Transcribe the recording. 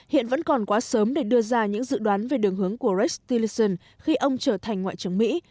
hiện vẫn còn quá sớm để đưa ra những dự đoán về đường hướng của rextilison khi ông trở thành ngoại trưởng mỹ